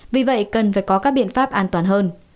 vì vậy cần phải có các biện pháp an toàn hơn